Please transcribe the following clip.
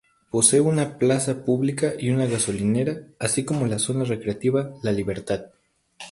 Posee una plaza pública y una gasolinera, así como la Zona Recreativa La Libertad.